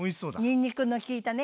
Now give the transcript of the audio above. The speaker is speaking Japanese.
にんにくの利いたね。